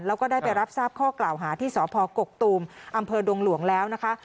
แล้วก็ได้ไปรับทราบข้อกล่าวหาที่สพกกตูมอำเภอดงหลวงแล้วนะคะ